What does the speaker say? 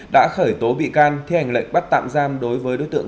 đã khởi tố bị can thi hành lệnh bắt tạm giam đối với đối tượng